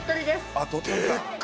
あっ、鳥取か。